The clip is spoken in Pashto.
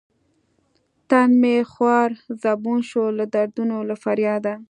تن مې خوار زبون شو لۀ دردونو له فرياده